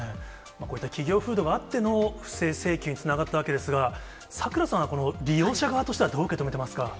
こういった企業風土があっての不正請求につながったわけですが、咲楽さんはこの利用者側としては、どう受け止めてますか？